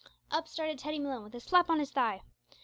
Up started Teddy Malone, with a slap of his thigh.